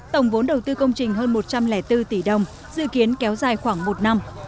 tổng vốn đầu tư công trình hơn một trăm linh bốn tỷ đồng dự kiến kéo dài khoảng một năm